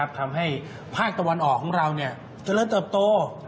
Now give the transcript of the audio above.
ทำให้ภาคตะวันออกของเราเจริญเติบโต